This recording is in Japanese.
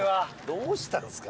どうしたんですか。